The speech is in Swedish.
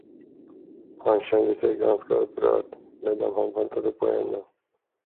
Han kände sig ganska upprörd, medan han väntade på henne.